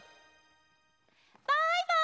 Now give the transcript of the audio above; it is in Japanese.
バイバイ！